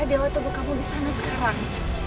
dewa tunggu kamu disana sekarang